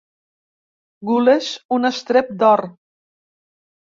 Gules, un estrep d'or.